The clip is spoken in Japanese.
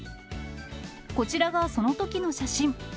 こちらがそのときの写真。